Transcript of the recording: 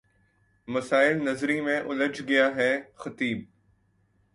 مسائل نظری میں الجھ گیا ہے خطیب